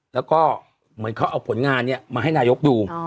แล้วก็เหมือนเขาเอาผลงานมาให้นายกดู